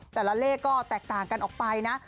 แต่ละเลขก็แตกต่างกันออกไปนะ